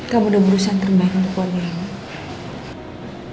kamu udah berusaha terbaik untuk wadih